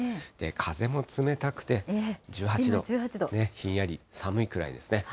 風も冷たくて１８度、ひんやり寒いくらいですね。